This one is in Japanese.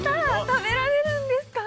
食べられるんですか？